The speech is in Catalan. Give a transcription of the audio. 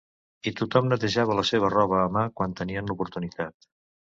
I tothom netejava la seva roba a mà quan tenien l'oportunitat.